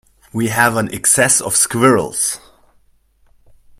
We have an excess of squirrels.